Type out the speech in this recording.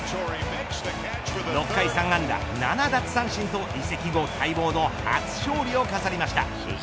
６回３安打７奪三振と移籍後待望の初勝利を飾りました。